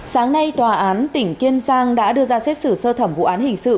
sáng nay tòa án tỉnh kiên giang đã đưa ra xét xử sơ thẩm vụ án hình sự